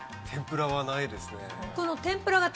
天ぷらはないですね。